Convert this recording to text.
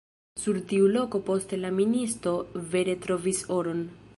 Sur tiu loko poste la ministo vere trovis oron.